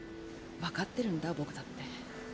わかってるんだ僕だって。